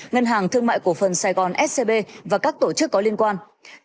ngân hàng thương mại cổ phần sài gòn scb và các tổ chức có liên quan